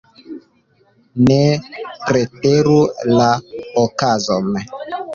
Ne preteru la okazon.